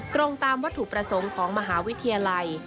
ตรงตามวัตถุประสงค์ของมหาวิทยาลัย